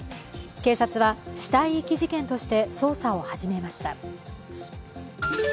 警察は死体遺棄事件として捜査を始めました。